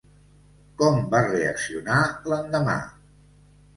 Com va reaccionar l'endemà?